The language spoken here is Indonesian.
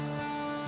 kamu tau gak